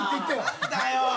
何だよ。